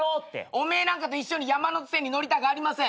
お前なんかと一緒に山手線に乗りたくありません。